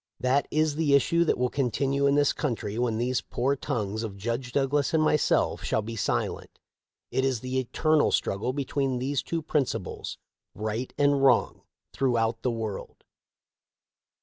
That is the issue that will continue in this country when these poor tongues of Judge Douglas and myself shall be silent. It is the eternal struggle between these two principles — right and wrong — throughout the world.